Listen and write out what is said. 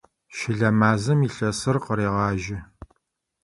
Щылэ мазэм илъэсыр къырегъажьэ.